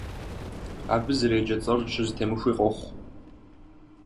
Абы зэреджэ цӀэр щызэтемыхуи къохъу.